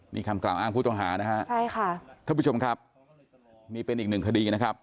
นี่คำกล่าวอ้างผู้ต้องหานะฮะใช่ค่ะท่านผู้ชมครับนี่เป็นอีกหนึ่งคดีนะครับ